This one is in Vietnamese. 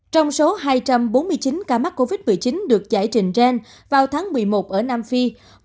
trong số hai trăm bốn mươi chín ca mắc covid một mươi chín được giải trình gen vào tháng một mươi một ở nam phi